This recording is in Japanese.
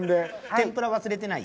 天ぷら忘れてない？